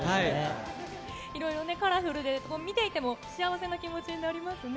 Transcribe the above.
いろいろね、カラフルで、見ていても幸せな気持ちになりますね。